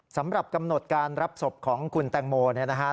สำหรับกำหนดการรับศพของคุณแตงโมเนี่ยนะฮะ